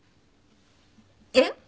えっ？